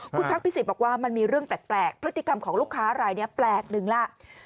คุณพักพิสิทธิ์บอกว่ามันมีเรื่องแปลกพฤติกรรมของลูกค้ารายนี้แปลกหนึ่งล่ะ